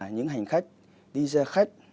những hành khách đi xe khách